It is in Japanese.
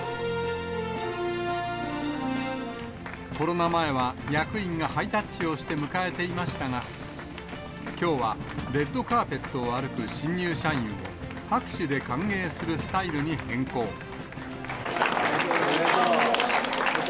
コロナ前は役員がハイタッチをして迎えていましたが、きょうはレッドカーペットを歩く新入社員を拍手で歓迎するスタイおめでとう。